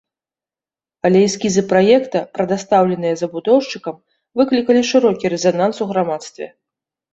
Але эскізы праекта, прадастаўленыя забудоўшчыкам, выклікалі шырокі рэзананс у грамадстве.